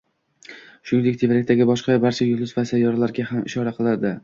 Shuningdek, tevarakdagi boshqa barcha yulduz va sayyoralarga ham ishora qildi.